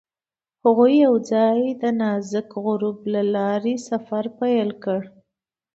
هغوی یوځای د نازک غروب له لارې سفر پیل کړ.